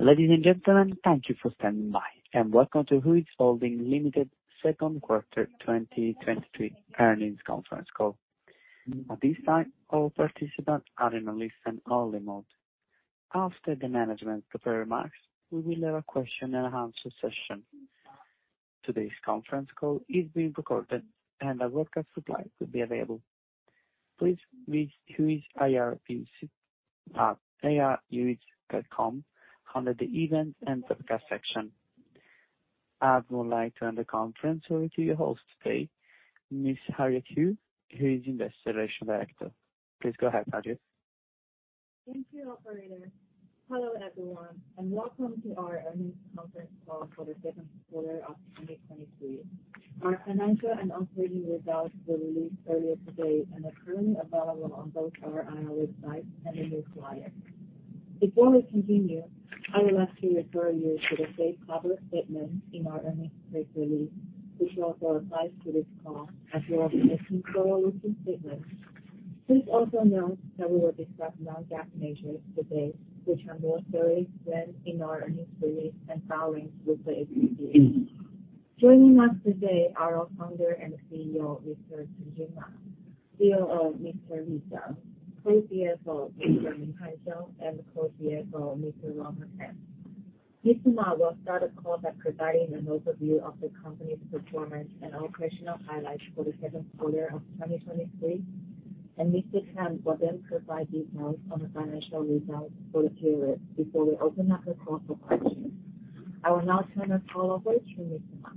Ladies and gentlemen, thank you for standing by, and welcome to Huize Holding Limited Second Quarter 2023 Earnings Conference Call. At this time, all participants are in a listen-only mode. After the management prepared remarks, we will have a question-and-answer session. Today's conference call is being recorded, and a broadcast replay will be available. Please visit Huize IRPC at ir.huize.com under the Events and Broadcast section. I would like to hand the conference over to your host today, Ms. Harriet Hu, Huize Investor Relations Director. Please go ahead, Harriet. Thank you, operator. Hello, everyone, and welcome to our Earnings Conference Call for the Second Quarter of 2023. Our financial and operating results were released earlier today and are currently available on both our IR website and in this slide. Before we continue, I would like to refer you to the safe harbor statement in our earnings press release, which also applies to this call as well as the forward-looking statements. Please also note that we will discuss non-GAAP measures today, which are more thoroughly read in our earnings release and filings with the SEC. Joining us today are our founder and CEO, Mr. Cunjun Ma, COO, Mr. Li Jiang, CFO, Mr. Minghan Xiao, and co-CFO, Mr. Kwok Tam. Mr. Ma will start the call by providing an overview of the company's performance and operational highlights for the second quarter of 2023. Mr. Tam will provide details on the financial results for the period before we open up the call for questions. I will now turn the call over to Mr. Ma.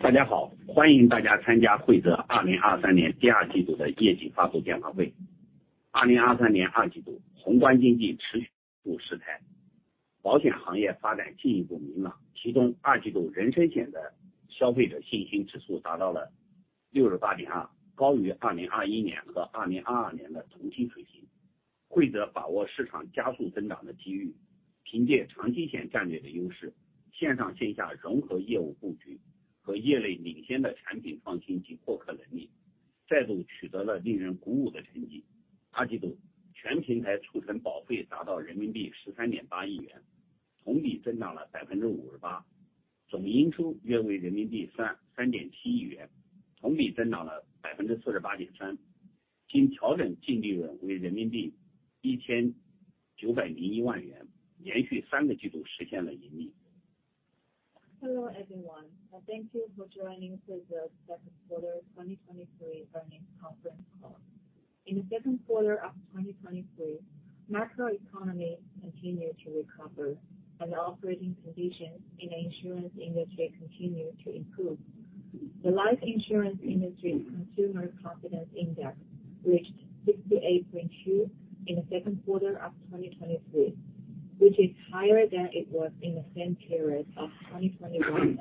大家 好， 欢迎大家参加慧择二零二三年第二季度的业绩发布电话会。二零二三年二季 度， 宏观经济持续复苏 态， 保险行业发展进一步明 朗， 其中二季度人身险的消费者信心指数达到了六十八点 二， 高于二零二一年和二零二二年的同期水平。慧择把握市场加速增长的机 遇， 凭借长期险战略的优 势， 线上线下融合业务布局和业内领先的产品创新及获客能力 ，再 度取得了令人鼓舞的成绩。二季度全平台促成保费达到人民币十三点八亿 元， 同比增长了百分之五十八。总营收约为人民币三、三点七亿 元， 同比增长了百分之四十八点三。经调整净利润为人民币一千九百零一万 元， 连续三个季度实现了盈利。Hello, everyone, and thank you for joining Huize Second Quarter 2023 Earnings Conference Call. In the second quarter of 2023, macroeconomy continued to recover and the operating conditions in the insurance industry continued to improve. The life insurance industry consumer confidence index reached 68.2 in the second quarter of 2023, which is higher than it was in the same period of 2021.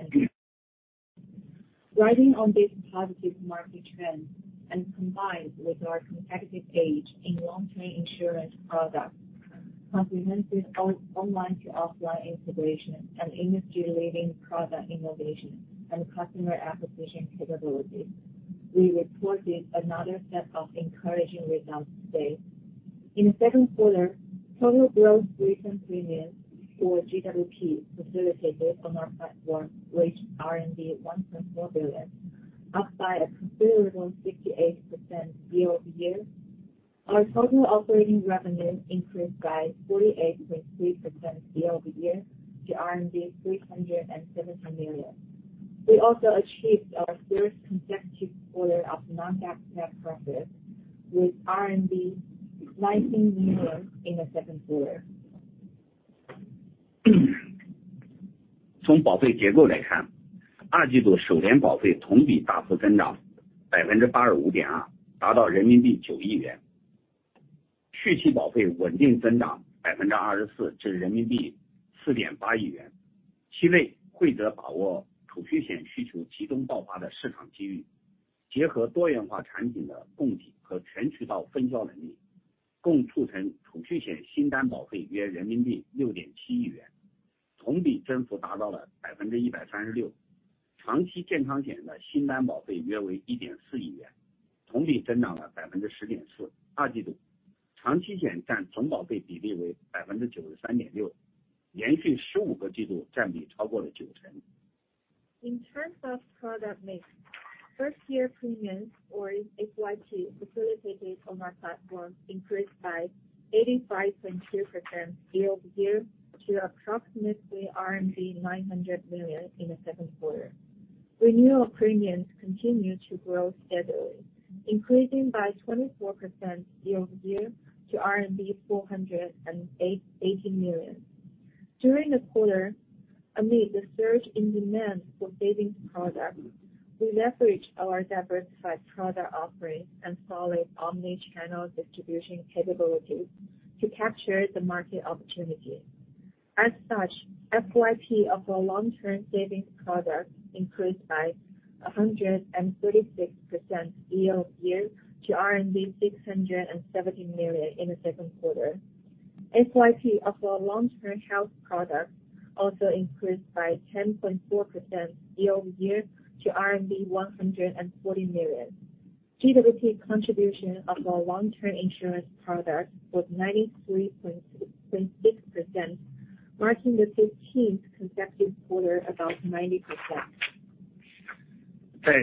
Riding on this positive market trend and combined with our competitive edge in long-term insurance products, comprehensive online to offline integration and industry-leading product innovation and customer acquisition capabilities, we reported another set of encouraging results today. In the second quarter, total gross recent premiums or GWP facilitated on our platform reached 1.4 billion, up by a considerable 68% year-over-year. Our total operating revenue increased by 48.3% year-over-year to 370 million. We also achieved our first consecutive quarter of non-GAAP net profit with 19 million in the second quarter. 从保费结构来 看， 二季度首年保费同比大幅增长百分之八十五点 二， 达到人民币九亿元。续期保费稳定增长百分之二十 四， 至人民币四点八亿元。期 内， 会得把握储蓄险需求集中爆发的市场机 遇， 结合多元化产品的供给和全渠道分销能力，共促成储蓄险新单保费约人民币六点七亿 元， 同比增幅达到了百分之一百三十六。长期健康险的新单保费约为一点四亿 元， 同比增长了百分之十点四。二季度长期险占总保费比例为百分之九十三点 六， 连续十五个季度占比超过了九成。In terms of product mix, First Year Premiums or FYP facilitated on our platform increased by 85.2% year-over-year to approximately RMB 900 million in the second quarter. Renewal premiums continue to grow steadily, increasing by 24% year-over-year to RMB 480 million. During the quarter, amid the surge in demand for savings products, we leveraged our diversified product offerings and solid omni-channel distribution capabilities to capture the market opportunity. As such, FYP of our long-term savings products increased by 136% year-over-year to 670 million in the second quarter. FYP of our long-term health product also increased by 10.4% year-over-year to RMB 140 million. GWP contribution of our long term insurance product was 93.6%, marking the 15th consecutive quarter above 90%. 在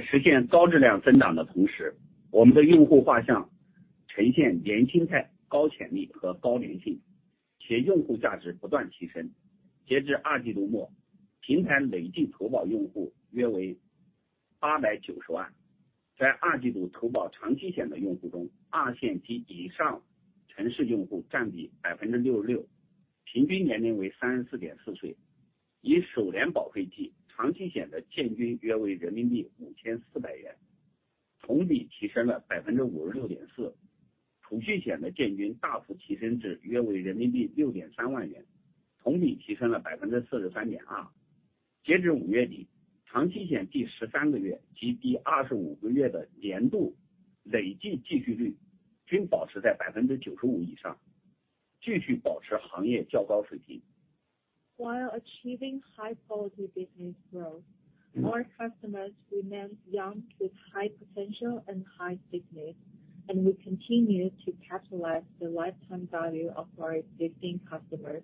实现高质量增长的同 时， 我们的用户画像呈现年轻态、高潜力和高粘 性， 且用户价值不断提升。截至二季度 末， 平台累计投保用户约为八百九十万。在二季度投保长期险的用户 中， 二线及以上城市用户占比百分之六十 六， 平均年龄为三十四点四 岁， 以首年保费 计， 长期险的件均约为人民币五千四百 元， 同比提升了百分之五十六点四。储蓄险的件均大幅提升至约为人民币六点三万 元， 同比提升了百分之四十三点二。截止五月底，长期险第十三个月及第二十五个月的年度累计继续率均保持在百分之九十五以 上， 继续保持行业较高水平。While achieving high quality business growth, our customers remain young with high potential and high stickiness, and we continue to capitalize the lifetime value of our existing customers.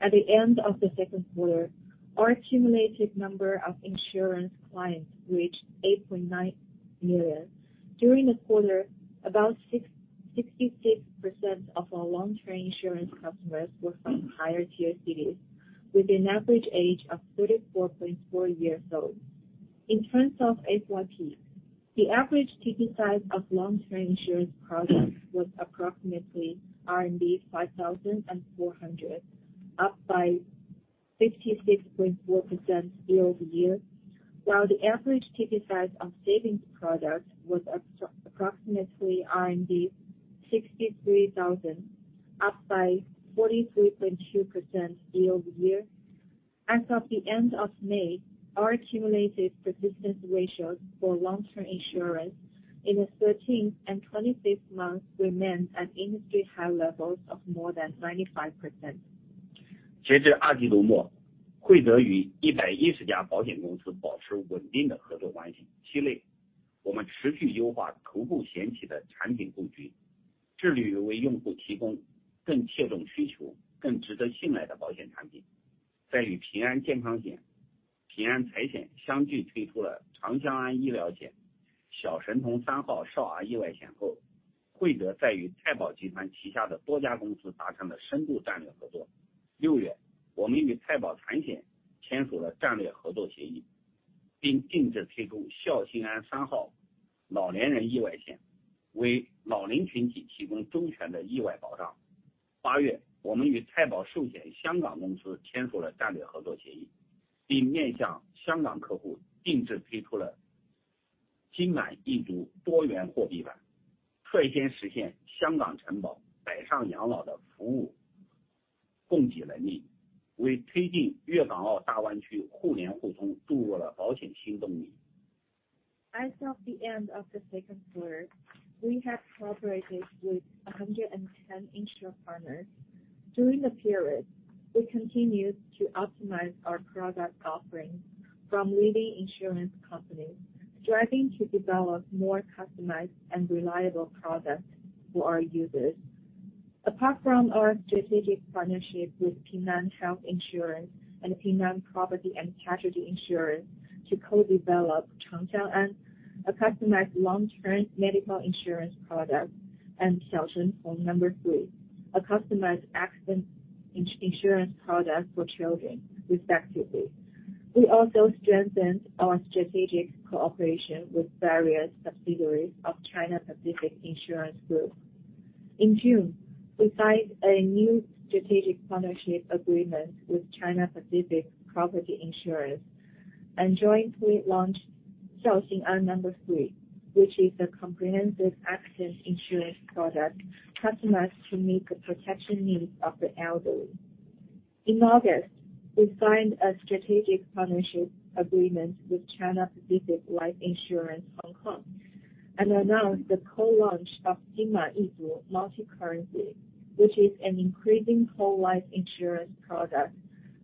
At the end of the second quarter, our cumulative number of insurance clients reached 8.9 million. During the quarter, about 66% of our long-term insurance customers were from higher tier cities, with an average age of 34.4 years old. In terms of FYP, the average ticket size of long-term insurance products was approximately 5,400, up by 56.4% year-over-year, while the average ticket size of savings products was approximately 63,000, up by 43.2% year-over-year. As of the end of May, our cumulative persistence ratios for long term insurance in the 13th and 26th month remained at industry high levels of more than 95%. 截至二季度 末， 慧择与一百一十家保险公司保持稳定的合作关系。期 内， 我们持续优化投保险期的产品布 局， 致力于为用户提供更切中需求、更值得信赖的保险产品。在与平安健康险、平安财险相继推出了长相安医疗险、小神童三号少儿意外险 后， 慧择再与泰保集团旗下的多家公司达成了深度战略合作。六月，我们与泰保产险签署了战略合作协 议， 并定制推出孝心安三号老年人意外 险， 为老年群体提供综合的意外保障。八 月， 我们与泰保寿险香港公司签署了战略合作协 议， 并面向香港客户定制推出了金满意足多元货币 版， 率先实现香港承 保， 北上养老的服务供给能力，为推进粤港澳大湾区互联互通注入了保险新动力。As of the end of the second quarter, we have cooperated with 110 insurance partners. During the period, we continued to optimize our product offerings from leading insurance companies, striving to develop more customized and reliable products for our users. Apart from our strategic partnership with Ping An Health Insurance and Ping An Property and Casualty Insurance to co-develop Chang Xiang An, a customized long term medical insurance product, and Xiao Shen Tong No. 3, a customized accident insurance product for children, respectively. We also strengthened our strategic cooperation with various subsidiaries of China Pacific Insurance Group. In June, we signed a new strategic partnership agreement with China Pacific Property Insurance and jointly launched Xiao Xin An No. 3, which is a comprehensive accident insurance product customized to meet the protection needs of the elderly. In August, we signed a strategic partnership agreement with China Pacific Life Insurance Hong Kong and announced the co-launch of Jin Man Yi Zu Multi-currency, which is an increasing whole life insurance product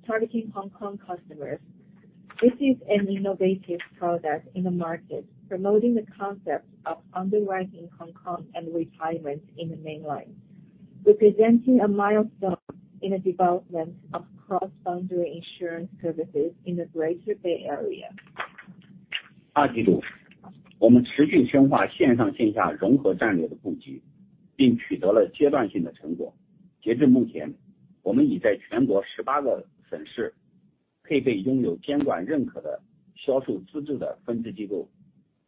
targeting Hong Kong customers. This is an innovative product in the market, promoting the concept of underwriting Hong Kong and retirement in the mainland, representing a milestone in the development of cross-boundary insurance services in the Greater Bay Area. 二季 度， 我们持续深化线上线下融合战略的布 局， 并取得了阶段性的成果。截至目 前， 我们已在全国十八个省市配备拥有监管认可的销售资质的分支机 构，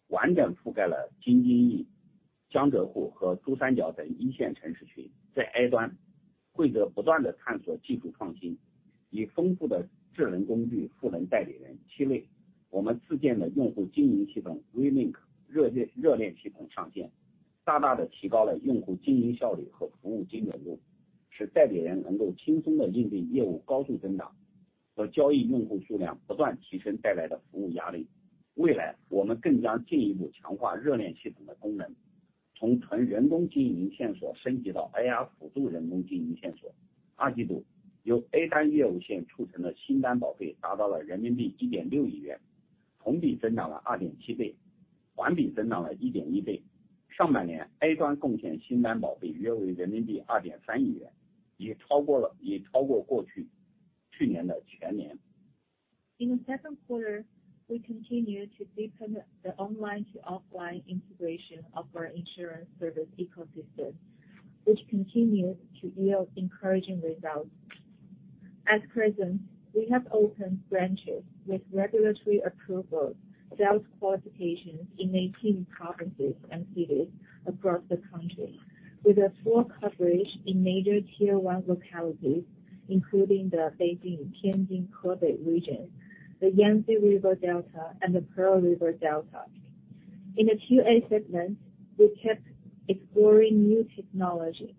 完整覆盖了京津冀、江浙沪和珠三角等一线城市群。在 A 端， 慧择不断地探索技术创 新， 以丰富的智能工具赋能代理人。期 内， 我们自建的用户经营系统 V-Link 热链接系统上线，大大的提高了用户经营效率和服务精准 度， 使代理人能够轻松地应对业务高速增 长。... 和交易用户数量不断提升带来的服务压力。未 来， 我们更将进一步强化 V-Link 系统的功 能， 从纯人工经营线索升级到 AI 辅助人工经营线索。第二季 度， 由 A 端业务线促成的新单保费达到了 RMB 1.6 billion， 同比增长了 2.7 times， 环比增长了 1.1 times。上半 年， A 端贡献新单保费约为 RMB 2.3 billion， 已超过去年的全年。In the second quarter, we continue to deepen the online to offline integration of our insurance service ecosystem, which continues to yield encouraging results. At present, we have opened branches with regulatory approval, sales qualifications in 18 provinces and cities across the country, with a full coverage in major Tier 1 localities, including the Beijing-Tianjin-Hebei region, the Yangtze River Delta, and the Pearl River Delta.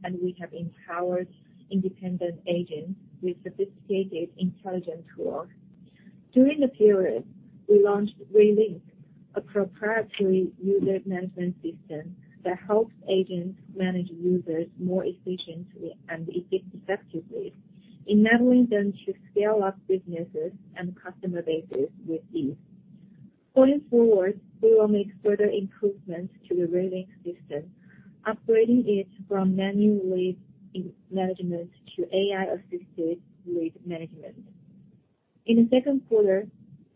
We have empowered independent agents with sophisticated intelligent tools. During the period, we launched V-Link, a proprietary user management system that helps agents manage users more efficiently and effectively, enabling them to scale up businesses and customer bases with ease. Going forward, we will make further improvements to the V-Link system, upgrading it from manual lead management to AI-assisted lead management. In the second quarter,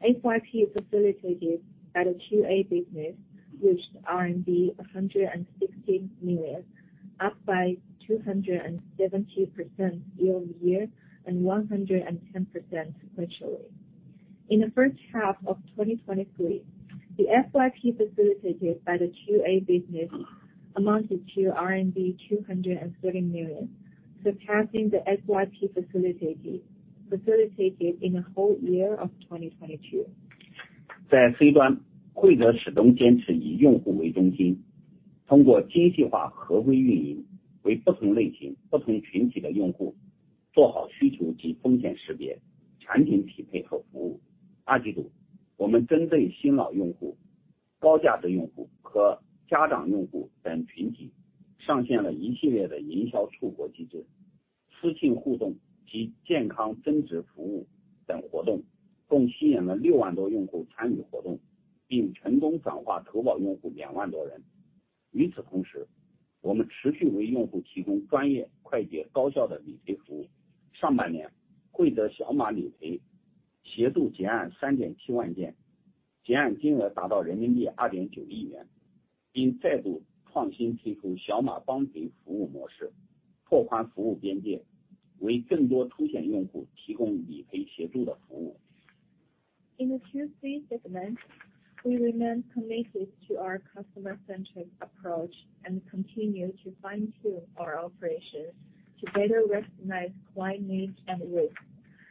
FYP facilitated by the 2A business, which RMB 160 million, up by 270% year-over-year, and 110% sequentially. In the first half of 2023, the FYP facilitated by the 2A business amounted to RMB 230 million, surpassing the FYP facilitated in the whole year of 2022. 在 C 端， 慧择始终坚持以用户为中 心， 通过精细化合规运 营， 为不同类型、不同群体的用户做好需求及风险识别、产品匹配和服务。二季 度， 我们针对新老用户、高价值用户和家长用户等群 体， 上线了一系列的营销触角机制、私信互动及健康增值服务等活 动， 共吸引了 60,000+ 用户参与活 动， 并成功转化投保用户 20,000+ 人。与此同 时， 我们持续为用户提供专业、快捷、高效的理赔服务。上半 年， 慧择小马理赔协助结案 37,000 件， 结案金额达到 RMB 290 million， 并再度创新推出小马帮赔服务模 式， 拓宽服务边界，为更多出险用户提供理赔协助的服务。In the 2C segment, we remain committed to our customer-centric approach and continue to fine-tune our operations to better recognize client needs and risks,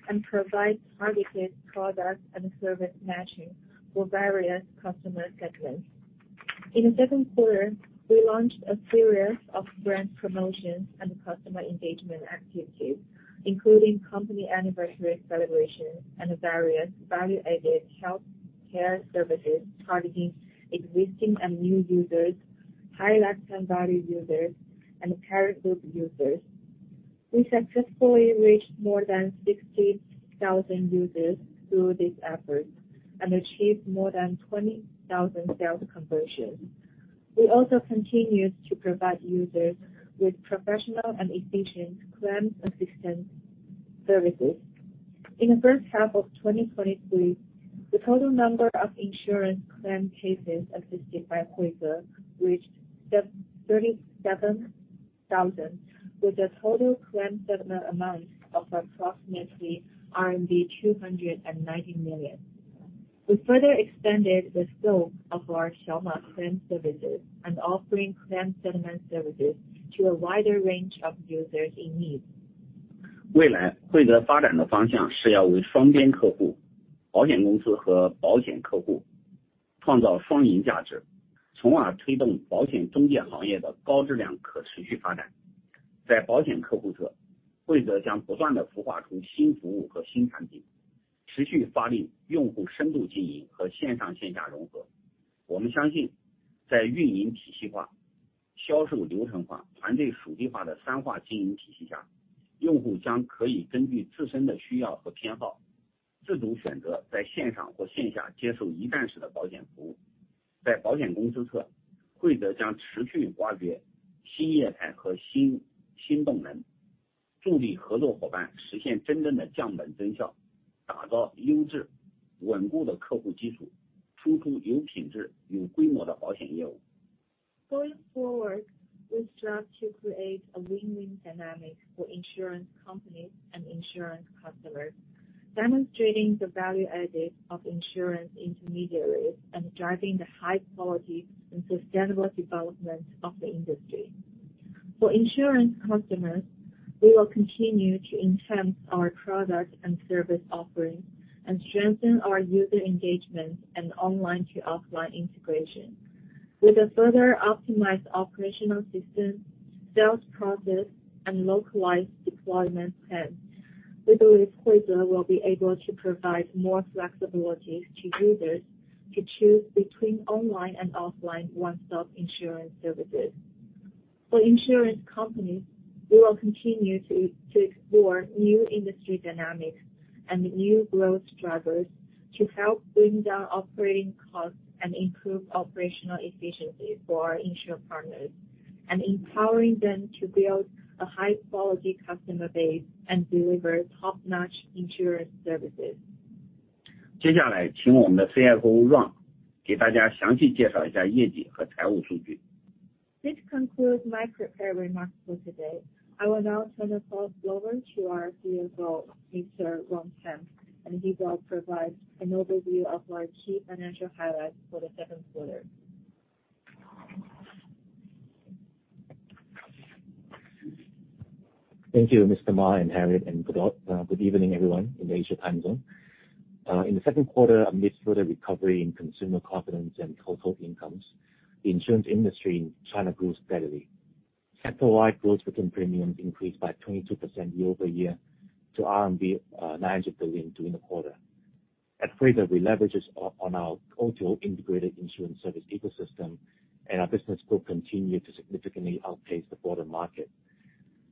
and provide targeted products and service matching for various customer segments. In the second quarter, we launched a series of brand promotions and customer engagement activities, including company anniversary celebrations and various value-added healthcare services targeting existing and new users, high lifetime value users, and parent group users. We successfully reached more than 60,000 users through these efforts and achieved more than 20,000 sales conversions. We also continue to provide users with professional and efficient claim assistance services. In the first half of 2023, the total number of insurance claim cases assisted by Huize reached 37,000, with a total claim settlement amount of approximately RMB 290 million. We further expanded the scope of our small claim services and offering claim settlement services to a wider range of users in need. 未 来， 慧择发展的方向是要为双边客户、保险公司和保险客户创造双赢价 值， 从而推动保险中介行业的高质量可持续发展。在保险客户 侧， 慧择将不断地孵化出新服务和新产品，持续发力用户深度经营和线上线下融合。我们相 信， 在运营体系化、销售流程化、团队属地化的三化经营体系 下， 用户将可以根据自身的需要和偏 好， 自主选择在线上或线下接受一站式的保险服务。在保险公司 侧， 慧择将持续挖掘新业态和 新， 新动 能， 助力合作伙伴实现真正的降本增效，打造优质稳固的客户基 础， 输出有品质有规模的保险业务。Going forward, we strive to create a win-win dynamic for insurance companies and insurance customers, demonstrating the value added of insurance intermediaries and driving the high quality and sustainable development of the industry. For insurance customers, we will continue to enhance our products and service offerings and strengthen our user engagement and online to offline integration. With a further optimized operational system, sales process, and localized deployment plan, we believe Huize will be able to provide more flexibility to users to choose between online and offline one-stop insurance services. For insurance companies, we will continue to explore new industry dynamics and new growth drivers to help bring down operating costs and improve operational efficiency for our insurer partners, and empowering them to build a high quality customer base and deliver top-notch insurance services. This concludes my prepared remarks for today. I will now turn the call over to our CFO, Mr. Ron Tam, and he will provide an overview of our key financial highlights for the second quarter. Thank you, Mr. Ma and Harriet, and good, good evening, everyone, in the Asia time zone. In the second quarter, amidst further recovery in consumer confidence and household incomes, the insurance industry in China grew steadily. Sector-wide gross written premiums increased by 22% year-over-year to RMB 900 billion during the quarter. At Huize, we leverages on our O2O integrated insurance service ecosystem, and our business growth continued to significantly outpace the broader market.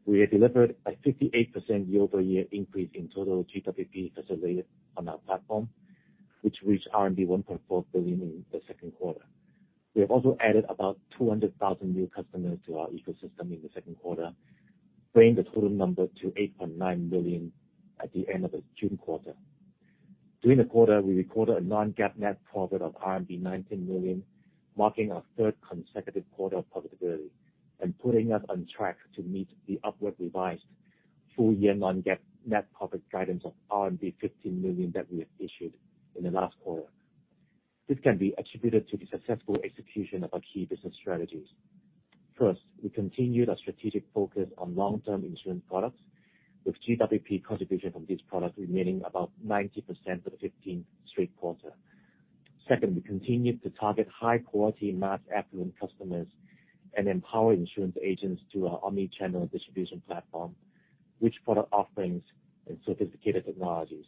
We have delivered a 58% year-over-year increase in total GWP facilitated on our platform, which reached RMB 1.4 billion in the second quarter. We have also added about 200,000 new customers to our ecosystem in the second quarter, bringing the total number to 8.9 million at the end of the June quarter. During the quarter, we recorded a non-GAAP net profit of RMB 19 million, marking our third consecutive quarter of profitability and putting us on track to meet the upward revised full-year non-GAAP net profit guidance of 15 million that we have issued in the last quarter. This can be attributed to the successful execution of our key business strategies. First, we continued our strategic focus on long-term insurance products, with GWP contribution from these products remaining about 90% for the 15th straight quarter. Second, we continued to target high quality, mass affluent customers and empower insurance agents through our omni-channel distribution platform, rich product offerings, and sophisticated technologies.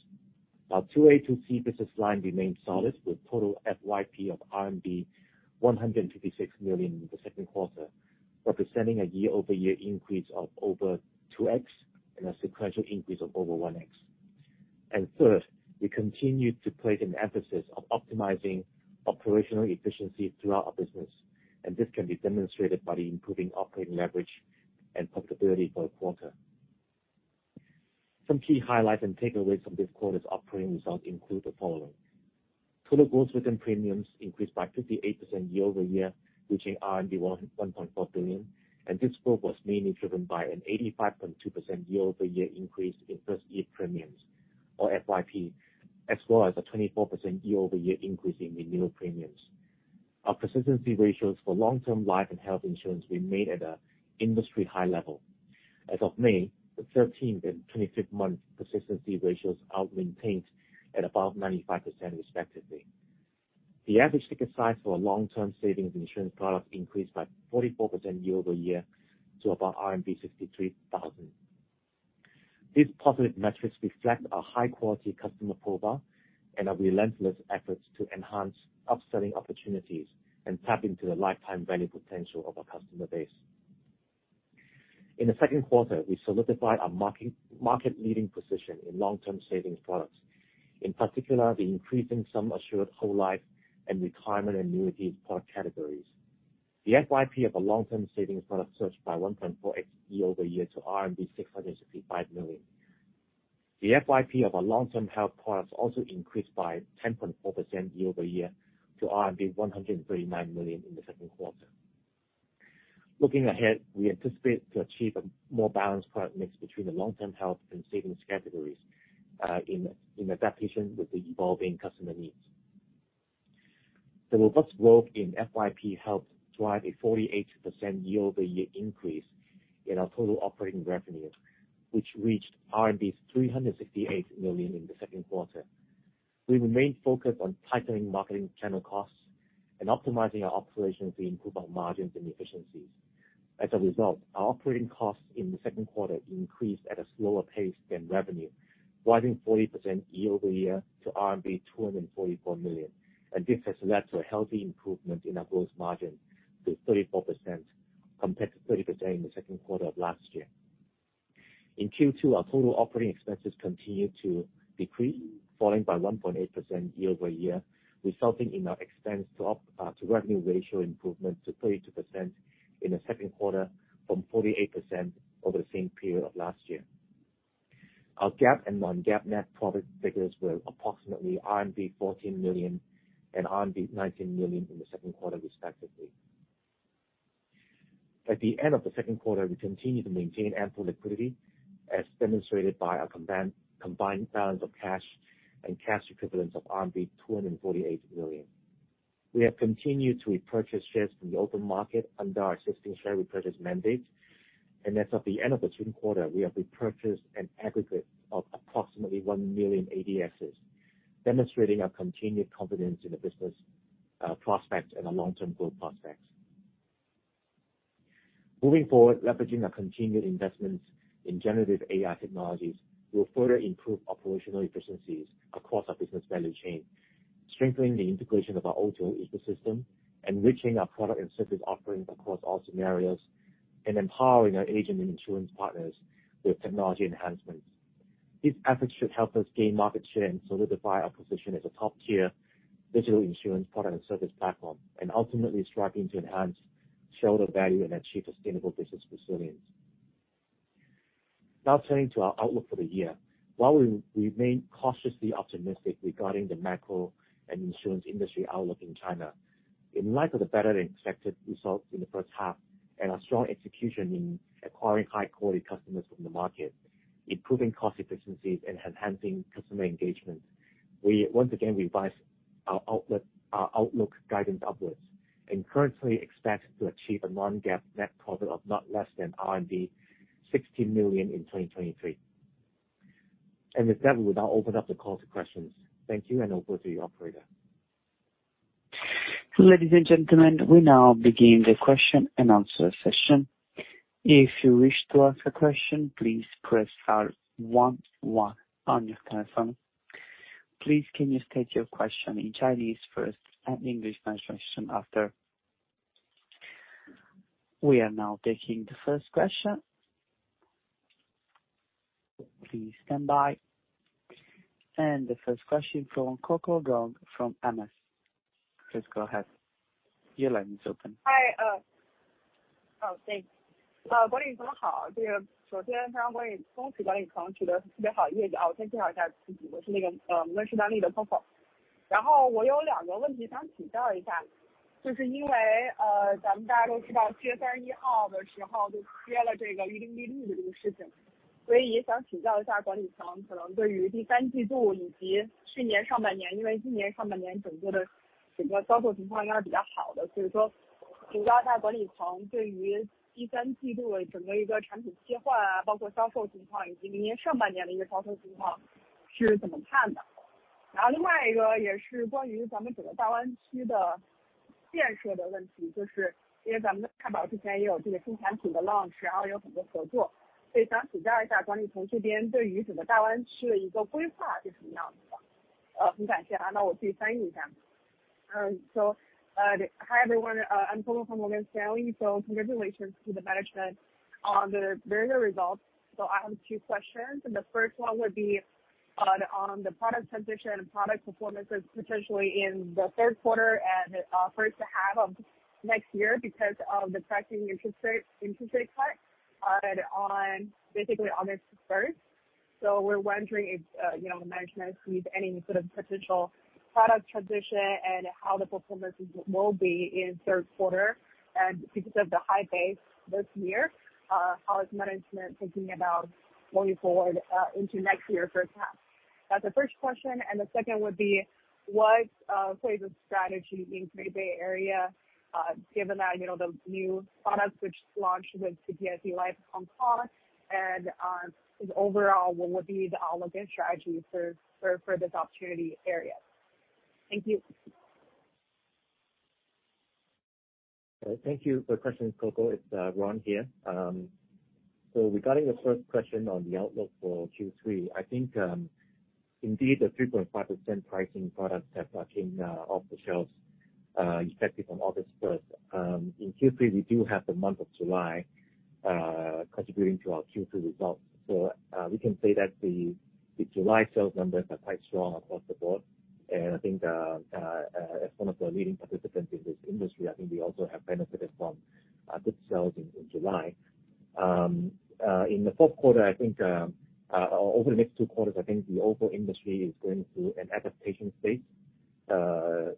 Our 2A, 2C business line remained solid, with total FYP of RMB 156 million in the second quarter, representing a year-over-year increase of over 2x and a sequential increase of over 1x. Third, we continued to place an emphasis on optimizing operational efficiency throughout our business, and this can be demonstrated by the improving operating leverage and profitability per quarter. Some key highlights and takeaways from this quarter's operating results include the following: Total gross written premiums increased by 58% year-over-year, reaching RMB 1.4 billion, and this growth was mainly driven by an 85.2% year-over-year increase in first-year premiums, or FYP, as well as a 24% year-over-year increase in renewal premiums. Our persistency ratios for long-term life and health insurance remained at a industry-high level. As of May, the 13th and 25th month persistency ratios are maintained at above 95% respectively. The average ticket size for our long-term savings and insurance products increased by 44% year-over-year to about RMB 63,000. These positive metrics reflect our high quality customer profile and our relentless efforts to enhance upselling opportunities and tap into the lifetime value potential of our customer base. In the second quarter, we solidified our market-leading position in long-term savings products, in particular, the increasing sum assured whole life and retirement annuities product categories. The FYP of our long-term savings products surged by 1.4x year-over-year to RMB 665 million. The FYP of our long-term health products also increased by 10.4% year-over-year to RMB 139 million in the second quarter. Looking ahead, we anticipate to achieve a more balanced product mix between the long-term health and savings categories, in adaptation with the evolving customer needs. The robust growth in FYP helped drive a 48% year-over-year increase in our total operating revenue, which reached 368 million in the second quarter. We remained focused on tightening marketing channel costs and optimizing our operations to improve our margins and efficiencies. As a result, our operating costs in the second quarter increased at a slower pace than revenue, rising 40% year-over-year to RMB 244 million. This has led to a healthy improvement in our gross margin to 34%, compared to 30% in the second quarter of last year. In Q2, our total operating expenses continued to decrease, falling by 1.8% year-over-year, resulting in our expense to op- to revenue ratio improvement to 32% in the second quarter from 48% over the same period of last year. Our GAAP and non-GAAP net profit figures were approximately RMB 14 million and RMB 19 million in the second quarter, respectively. At the end of the second quarter, we continued to maintain ample liquidity, as demonstrated by our combined balance of cash and cash equivalents of RMB 248 million. We have continued to repurchase shares from the open market under our existing share repurchase mandate, and as of the end of the second quarter, we have repurchased an aggregate of approximately 1 million ADSs, demonstrating our continued confidence in the business, prospects and our long-term growth prospects. Moving forward, leveraging our continued investments in generative AI technologies will further improve operational efficiencies across our business value chain, strengthening the integration of our O2O ecosystem, enriching our product and service offerings across all scenarios, and empowering our agent and insurance partners with technology enhancements. These efforts should help us gain market share and solidify our position as a top-tier digital insurance product and service platform, and ultimately striving to enhance shareholder value and achieve sustainable business resilience. Now turning to our outlook for the year. While we remain cautiously optimistic regarding the macro and insurance industry outlook in China, in light of the better than expected results in the first half and our strong execution in acquiring high quality customers from the market, improving cost efficiencies and enhancing customer engagement, we once again revised our outlook guidance upwards, and currently expect to achieve a non-GAAP net profit of not less than 60 million in 2023. And with that, we will now open up the call to questions. Thank you, and over to you, operator. Ladies and gentlemen, we now begin the question and answer session. If you wish to ask a question, please press star one one on your telephone. Please can you state your question in Chinese first, and English translation after? We are now taking the first question. Please stand by. The first question from Coco Gong from MS. Please go ahead. Your line is open. Hi. Oh, thanks. Hi, everyone. I'm Coco from Morgan Stanley. Congratulations to the management on the very good results. I have two questions. The 1st one would be on the product transition and product performances, potentially in the third quarter and 1st half of next year, because of the pricing interest rate, interest rate cut on basically August 1st. We're wondering if, you know, the management sees any sort of potential product transition and how the performances will be in third quarter. Because of the high base this year, how is management thinking about going forward into next year first half? That's the first question, and the second would be, what is the strategy in Greater Bay Area, given that, you know, the new products which launched with CPIC Life Hong Kong? Overall, what would be the outlook and strategy for this opportunity area? Thank you. Thank you for the question, Coco. It's Ron here. Regarding the first question on the outlook for Q3, I think, indeed, the 3.5% pricing products have came off the shelves effective on August 1st. In Q3, we do have the month of July contributing to our Q2 results. We can say that the July sales numbers are quite strong across the board, and I think, as one of the leading participants in this industry, I think we also have benefited from good sales in July. In the fourth quarter, I think, over the next two quarters, I think the overall industry is going through an adaptation phase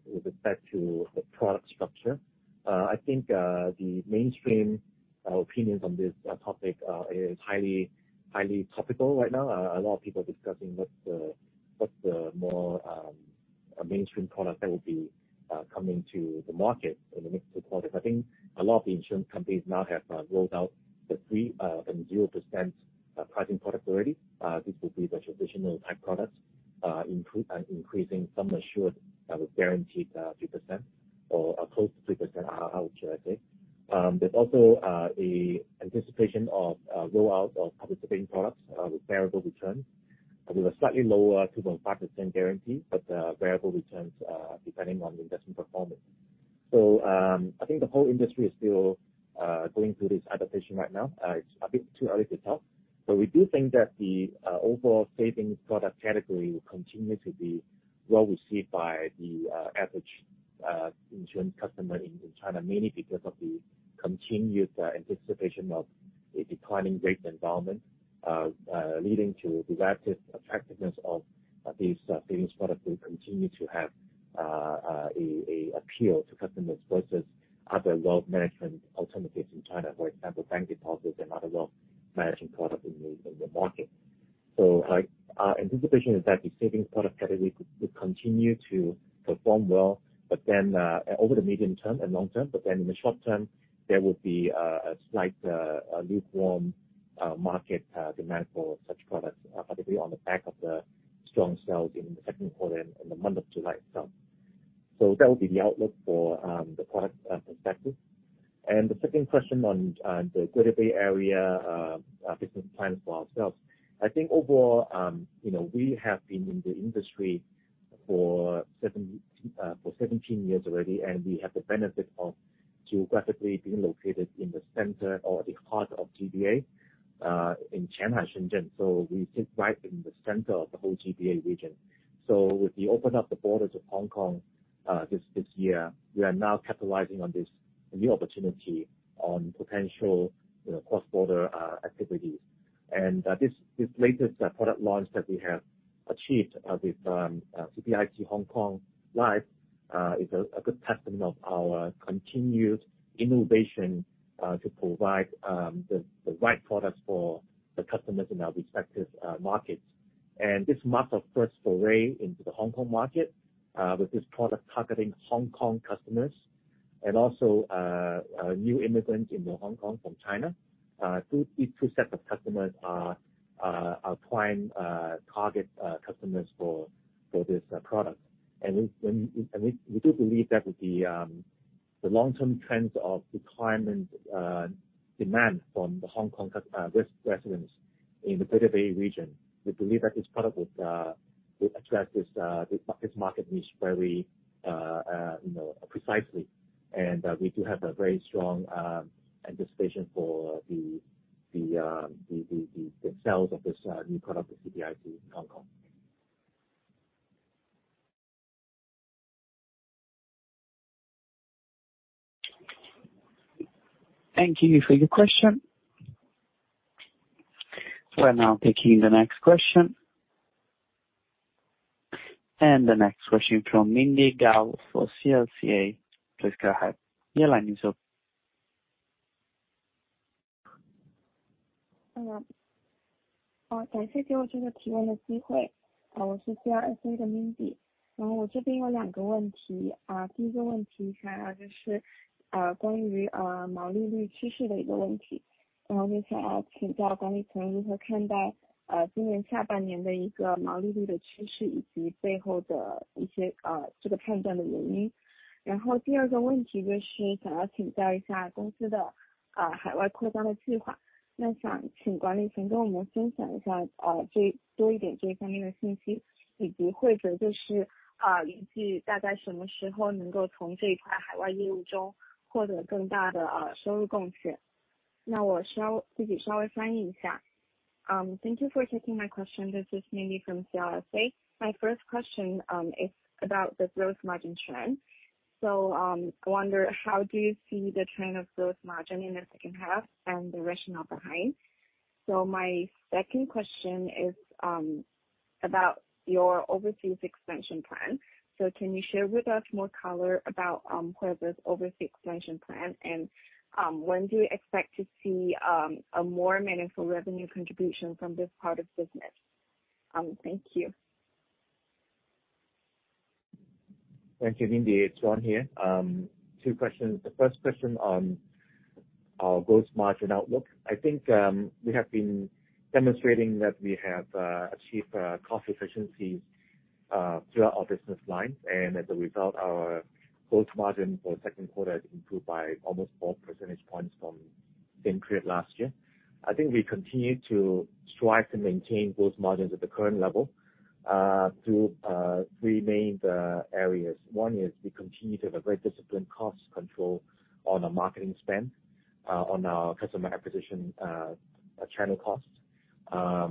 with respect to the product structure. I think the mainstream opinions on this topic is highly, highly topical right now. A lot of people are discussing what's the, what's the more mainstream product that will be coming to the market in the next 2 quarters. I think a lot of the insurance companies now have rolled out the 3% and 0% pricing products already. This will be the traditional type products, increasing some assured, with guaranteed 3% or close to 3%, I would say. There's also a anticipation of rollout of participating products with variable returns and with a slightly lower 2.5% guarantee, but variable returns depending on the investment performance. I think the whole industry is still going through this adaptation right now. It's a bit too early to tell, but we do think that the overall savings product category will continue to be well received by the average insurance customer in China, mainly because of the continued anticipation of a declining rate environment, leading to the relative attractiveness of these savings products will continue to have a appeal to customers versus other wealth management alternatives in China, for example, bank deposits and other wealth management products in the market. Our anticipation is that the savings product category will continue to perform well, over the medium term and long term, in the short term, there will be a slight lukewarm market demand for such products, particularly on the back of the strong sales in the second quarter and the month of July itself. That will be the outlook for the product perspective. The second question on the Greater Bay Area, our business plans for ourselves. I think overall, you know, we have been in the industry for 17 years already, and we have the benefit of geographically being located in the center or the heart of GBA, in Shanghai, Shenzhen. We sit right in the center of the whole GBA region. With the open up the borders of Hong Kong, this, this year, we are now capitalizing on this new opportunity on potential, you know, cross-border activities. This, this latest product launch that we have achieved with CPIC Hong Kong Life, is a good testament of our continued innovation to provide the right products for the customers in our respective markets. This marks our first foray into the Hong Kong market with this product targeting Hong Kong customers and also new immigrants into Hong Kong from China. These two set of customers are prime target customers for this product. We, and we, and we do believe that with the long-term trends of retirement demand from the Hong Kong residents in the Greater Bay region, we believe that this product would address this, this market niche very, you know, precisely. We do have a very strong anticipation for the sales of this new product, the CPIC Hong Kong. Thank you for your question. We're now taking the next question. The next question from Mindy Gao for CLSA. Please go ahead. Thank you for taking my question. This is Mindy from CLSA. My first question is about the gross margin trend. I wonder, how do you see the trend of gross margin in the second half and the rationale behind? My second question is about your overseas expansion plan. Can you share with us more color about what is this overseas expansion plan, and when do you expect to see a more meaningful revenue contribution from this part of business? Thank you. Thank you, Mindy. It's John here. 2 questions. The first question on our gross margin outlook. I think, we have been demonstrating that we have achieved cost efficiencies throughout our business lines. As a result, our gross margin for the second quarter has improved by almost 4 percentage points from same period last year. I think we continue to strive to maintain gross margins at the current level, through 3 main areas. One is we continue to have a very disciplined cost control on our marketing spend, on our customer acquisition, channel costs.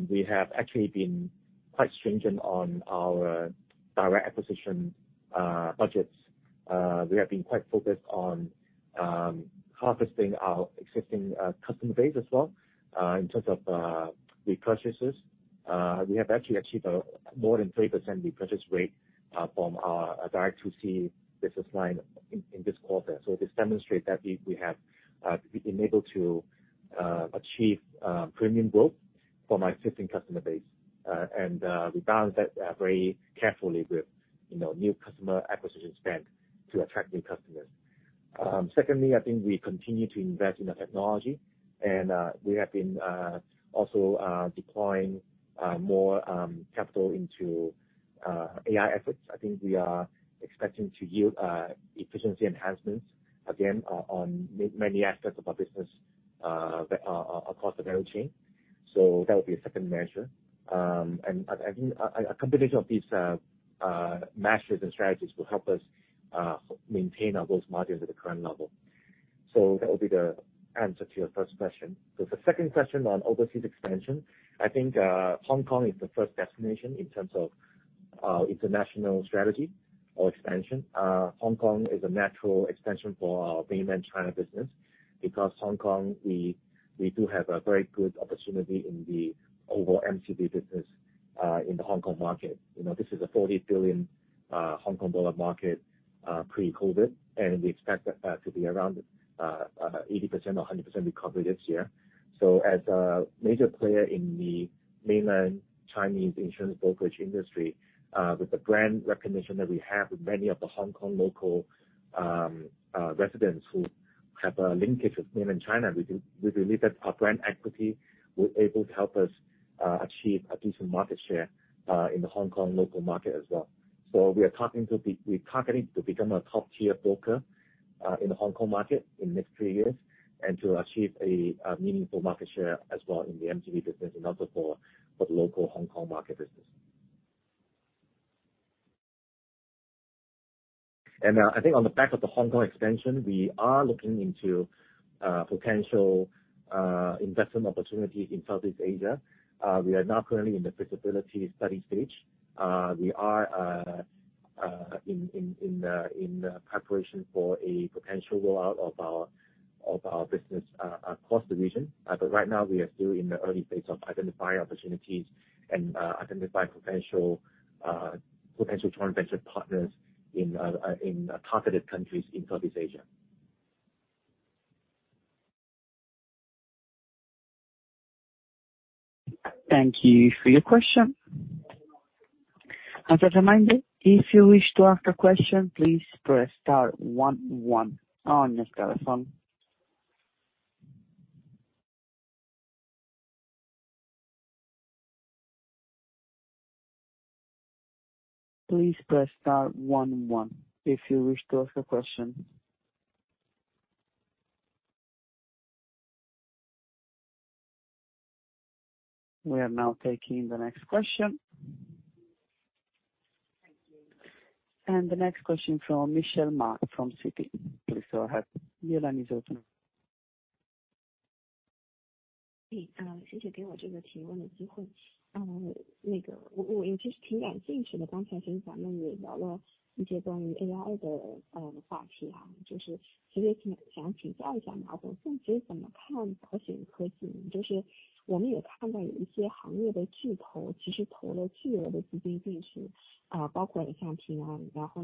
We have actually been quite stringent on our direct acquisition budgets. We have been quite focused on harvesting our existing customer base as well. In terms of repurchases, we have actually achieved a more than 3% repurchase rate from our 2C business line this quarter. This demonstrate that we have been able to achieve premium growth from our existing customer base, and we balance that very carefully with, you know, new customer acquisition spend to attract new customers. Secondly, I think we continue to invest in the technology, and we have been also deploying more capital into AI efforts. I think we are expecting to yield efficiency enhancements again on many aspects of our business across the value chain. That would be a second measure. A combination of these measures and strategies will help us maintain our gross margins at the current level. That will be the answer to your first question. The second question on overseas expansion, Hong Kong is the first destination in terms of international strategy or expansion. Hong Kong is a natural expansion for our Mainland China Business, because Hong Kong, we do have a very good opportunity in the overall MCB business in the Hong Kong market. You know, this is a 40 billion Hong Kong dollar market pre-COVID, and we expect that to be around 80% or 100% recovery this year. As a major player in the mainland Chinese insurance brokerage industry, with the brand recognition that we have with many of the Hong Kong local residents who have a linkage with mainland China, we believe that our brand equity will able to help us achieve a decent market share in the Hong Kong local market as well. We're targeting to become a top-tier broker in the Hong Kong market in the next 3 years, and to achieve a meaningful market share as well in the MCB business and also for the local Hong Kong market business. I think on the back of the Hong Kong expansion, we are looking into potential investment opportunities in Southeast Asia. We are now currently in the feasibility study stage. We are in the preparation for a potential rollout of our business across the region. Right now we are still in the early phase of identifying opportunities and identifying potential joint venture partners in targeted countries in Southeast Asia. Thank you for your question. As a reminder, if you wish to ask a question, please press star one one on your telephone. Please press star one one if you wish to ask a question. We are now taking the next question. will expand some aspects? Actually, I, I also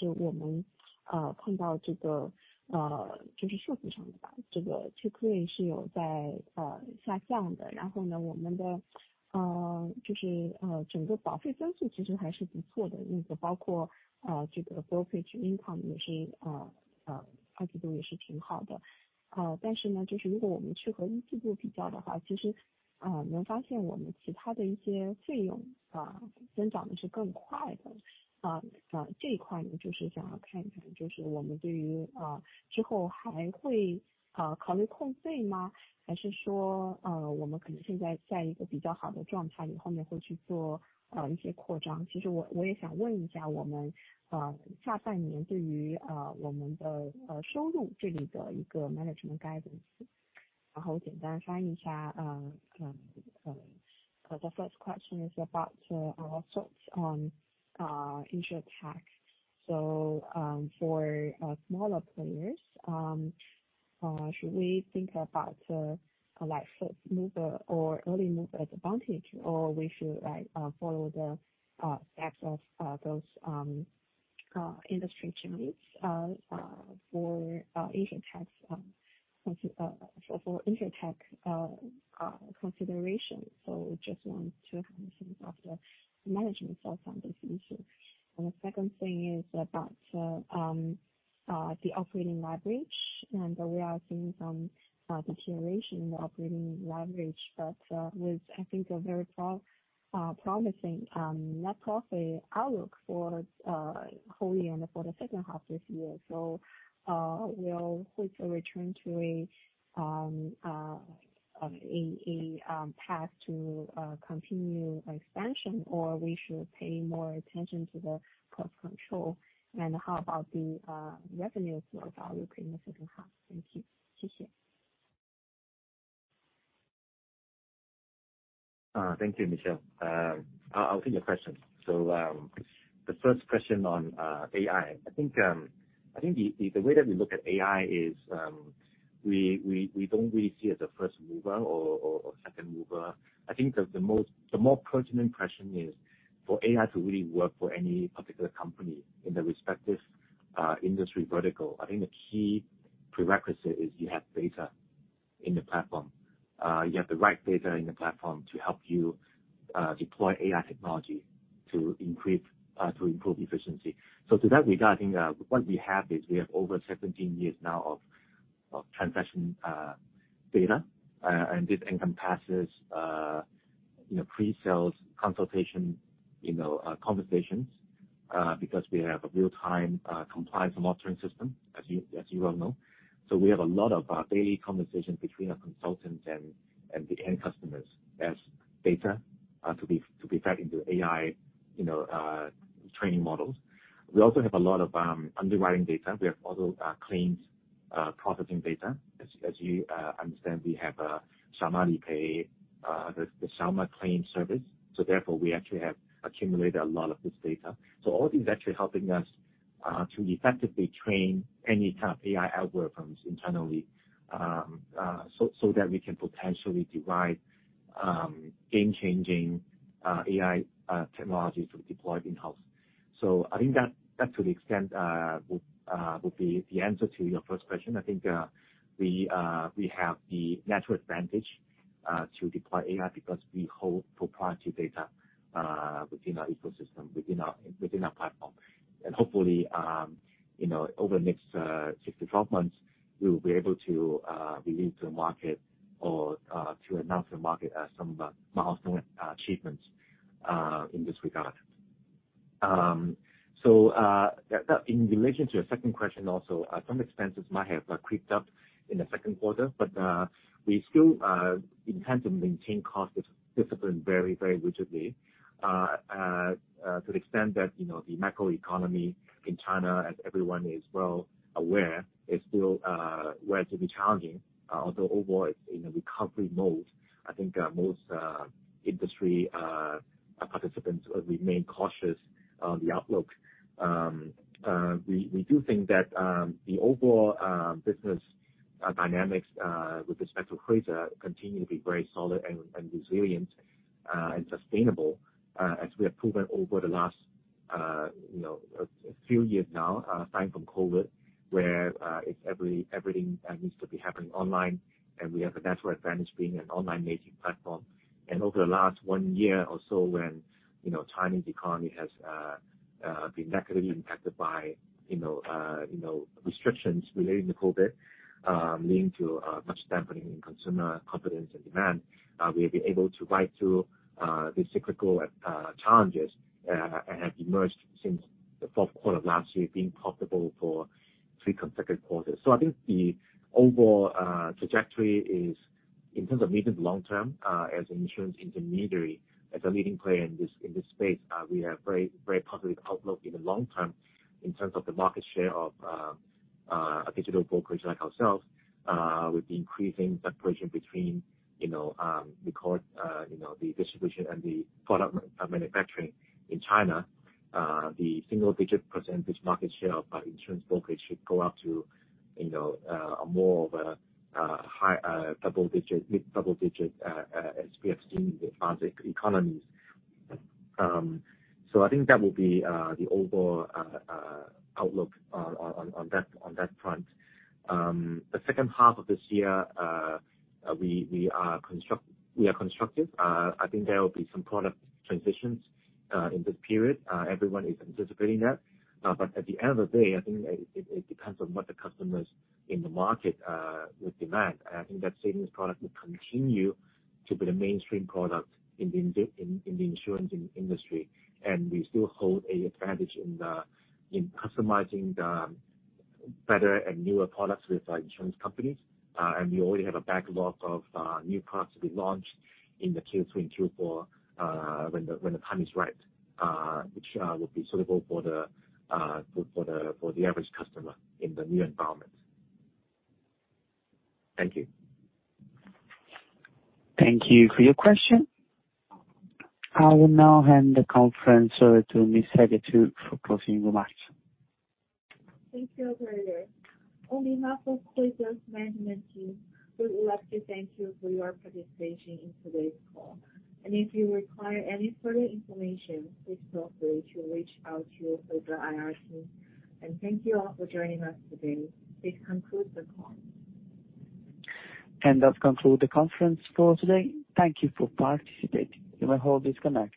want to ask about our lower half of the year regarding our revenue, just a management guidance. I'll briefly translate. The first question is about our thoughts on InsurTech. For smaller players, should we think about like first mover or early mover advantage, or we should like follow the steps of those industry giants for InsurTech for InsurTech consideration. Just want to hear some of the management thoughts on this issue. The second thing is about the operating leverage, and we are seeing some deterioration in the operating leverage, but with I think a very promising net profit outlook for whole year and for the second half this year. We'll quickly return to a a path to continue expansion, or we should pay more attention to the cost control. How about the revenue growth outlook in the second half? Thank you. Thank you. Thank you, Michelle. I'll take your question. The first question on AI. The way that we look at AI is we don't really see it as a first mover or second mover. The more pertinent question is, for AI to really work for any particular company in the respective industry vertical, the key prerequisite is you have data in the platform. You have the right data in the platform to help you deploy AI technology to increase to improve efficiency. To that regard, I think, what we have is, we have over 17 years now of, of transaction data, and this encompasses, you know, pre-sales consultation, you know, conversations, because we have a real-time compliance monitoring system, as you, as you well know. We have a lot of daily conversations between our consultants and, and the end customers as data to be, to be fed into AI, you know, training models. We also have a lot of underwriting data. We have also claims processing data. As, as you understand, we have Xiao Ma Pay, the Xiao Ma Claim service, therefore, we actually have accumulated a lot of this data. All these are actually helping us-... to effectively train any type of AI algorithms internally, so that we can potentially derive game-changing AI technologies to deploy in-house. I think that to the extent would be the answer to your first question. I think we have the natural advantage to deploy AI because we hold proprietary data within our ecosystem, within our platform. Hopefully, you know, over the next 6 to 12 months, we will be able to release to market or to announce to the market some milestone achievements in this regard. In relation to your second question also, some expenses might have creeped up in the second quarter, but we still intend to maintain cost discipline very rigidly. To the extent that, you know, the macroeconomy in China, as everyone is well aware, is still where to be challenging, although overall it's in a recovery mode. I think most industry participants remain cautious on the outlook. We do think that the overall business dynamics with respect to Huize continue to be very solid and resilient and sustainable, as we have proven over the last, you know, a few years now, aside from COVID, where everything that needs to be happening online, and we have a natural advantage being an online making platform. Over the last 1 year or so, when, you know, Chinese economy has been negatively impacted by, you know, you know, restrictions relating to COVID, leading to much dampening in consumer confidence and demand, we have been able to ride through the cyclical challenges and have emerged since the fourth quarter of last year, being profitable for 3 consecutive quarters. I think the overall trajectory is, in terms of medium long term, as an insurance intermediary, as a leading player in this, in this space, we have very, very positive outlook in the long term in terms of the market share of a digital brokerage like ourselves, with the increasing separation between, you know, the core, you know, the distribution and the product m- manufacturing in China. The single-digit percentage market share of our insurance brokerage should go up to, you know, a more of a high double-digit, mid double-digit, as we have seen in the advanced economies. I think that will be the overall outlook on that, on that front. The second half of this year, we, we are construct-- we are constructive. I think there will be some product transitions in this period. Everyone is anticipating that. At the end of the day, I think it, it, it depends on what the customers in the market would demand. I think that savings product will continue to be the mainstream product in the insurance industry, and we still hold a advantage in customizing the better and newer products with our insurance companies. We already have a backlog of new products to be launched in the Q3 and Q4, when the time is right, which will be suitable for the average customer in the new environment. Thank you. Thank you for your question. I will now hand the conference over to Miss Harriet Hu for closing remarks. Thank you, operator. On behalf of Huize's management team, we would like to thank you for your participation in today's call. If you require any further information, please feel free to reach out to Huize IR team. Thank you all for joining us today. This concludes the call. That concludes the conference call today. Thank you for participating. You may all disconnect.